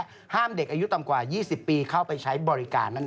ห้ามเด็กอายุต่ำกว่า๒๐ปีเข้าไปใช้บริการนั่นเอง